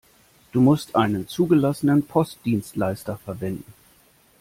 Du musst einen zugelassenen Postdienstleister verwenden.